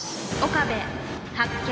岡部発見。